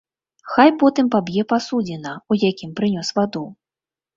Хай потым паб'е пасудзіна, у якім прынёс ваду.